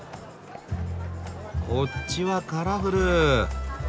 こっちはカラフル！